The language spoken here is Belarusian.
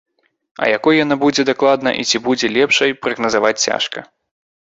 А якой яна будзе дакладна, і ці будзе лепшай, прагназаваць цяжка.